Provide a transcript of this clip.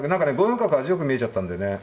５四角味よく見えちゃったんでね。